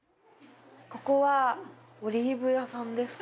ここはオリーブ屋さんですか？